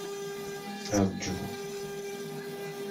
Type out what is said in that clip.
Ṛju.